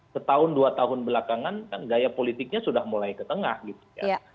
setahun dua tahun belakangan kan gaya politiknya sudah mulai ke tengah gitu ya